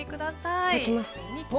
いきます。